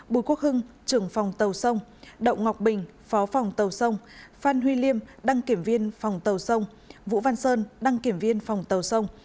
bùi quốc hưng trưởng phòng tàu sông đậu ngọc bình phó phòng tàu sông phan huy liêm đăng kiểm viên phòng tàu sông vũ văn sơn đăng kiểm viên phòng tàu sông